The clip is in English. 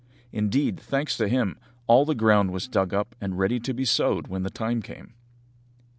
Indeed, thanks to him, all the ground was dug up and ready to be sowed when the time came.